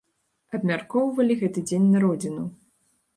Абмяркоўвалі гэты дзень народзінаў.